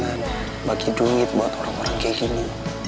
dan bagi duit buat orang orang kayak gini